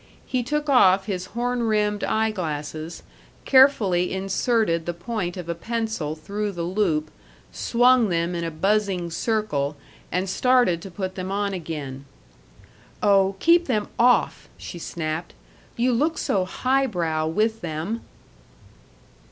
He took off his horn rimmed eye glasses, carefully inserted the point of a pencil through the loop, swung them in a buzzing circle, and started to put them on again. "Oh, keep them off!" she snapped. "You look so high brow with them!"